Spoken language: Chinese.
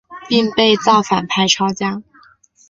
并被造反派抄家。